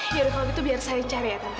ya kalau begitu biar saya cari ya tante